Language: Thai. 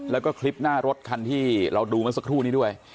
แล้วก็คลิปหน้ารถคันที่เราดูเมื่อสักครู่นี้ด้วย